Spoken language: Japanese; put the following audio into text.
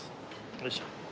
よいしょ。